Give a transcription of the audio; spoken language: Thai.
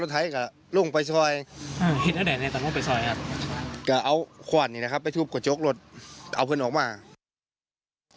เห็นว่านั้นไงลุงไปสอย